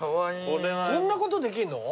こんなことできんの？